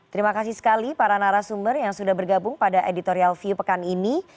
terima kasih sekali para narasumber yang sudah bergabung pada editorial view pekan ini